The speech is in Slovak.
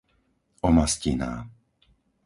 Omastiná